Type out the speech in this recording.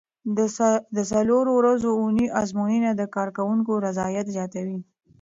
د څلورو ورځو اونۍ ازموینه د کارکوونکو رضایت زیاتوي.